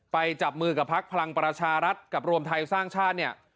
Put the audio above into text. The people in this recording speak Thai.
ไปจับมือกับภักดิ์พลังประชารัฐกับรวมไทยสร้างชาติ